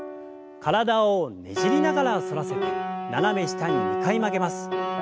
体をねじりながら反らせて斜め下に２回曲げます。